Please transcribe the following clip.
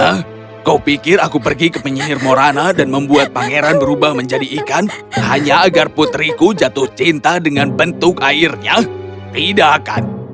ya kau pikir aku pergi ke penyihir morana dan membuat pangeran berubah menjadi ikan hanya agar putriku jatuh cinta dengan bentuk airnya tidak akan